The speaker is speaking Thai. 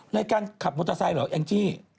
ในการขับมอเตอร์ไซค์เหรอแองจี้